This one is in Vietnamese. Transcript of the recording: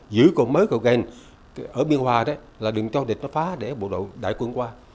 giữ cầu mới cầu ghen ở biên hòa đấy là đừng cho địch nó phá để bộ đội đại quân qua